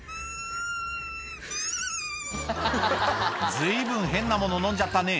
随分変なもののんじゃったね